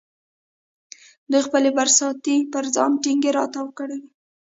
دوی خپلې برساتۍ پر ځان ټینګې را تاو کړې وې.